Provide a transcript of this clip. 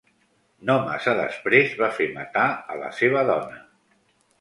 No massa després va fer matar a la seva dona.